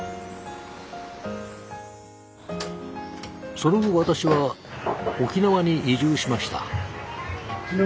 その後私は沖縄に移住しました。